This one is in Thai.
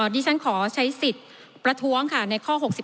ดิฉันขอใช้สิทธิ์ประท้วงค่ะในข้อ๖๒